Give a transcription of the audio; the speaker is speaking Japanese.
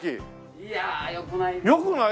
いやよくない。